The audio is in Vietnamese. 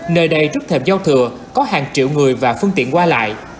nơi đây trước thềm giao thừa có hàng triệu người và phương tiện qua lại